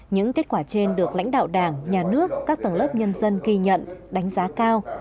những kết quả trên được lãnh đạo đảng nhà nước các tầng lớp nhân dân ghi nhận đánh giá cao